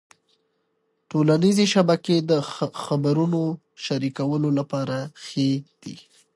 ټولنيزې شبکې د خبرونو شریکولو لپاره ښې دي.